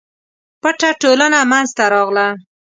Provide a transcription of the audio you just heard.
پټه ټولنه منځته راغله.